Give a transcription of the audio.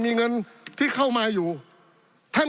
ปี๑เกณฑ์ทหารแสน๒